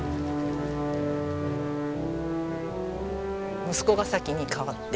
息子が先に変わって。